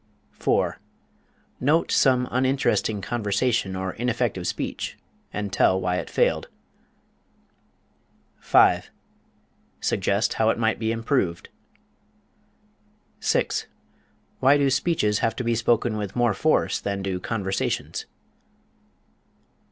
4. Note some uninteresting conversation or ineffective speech, and tell why it failed. 5. Suggest how it might be improved. 6. Why do speeches have to be spoken with more force than do conversations?